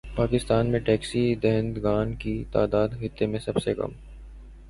پاکستان میں ٹیکس دہندگان کی تعداد خطے میں سب سے کم